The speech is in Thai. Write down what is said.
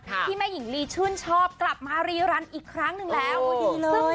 ที่แม่หญิงลีชื่นชอบกลับมารีรันอีกครั้งหนึ่งแล้วโอ้ดีเลย